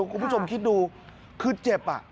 คุณผู้ชมคิดดูคือเจ็บ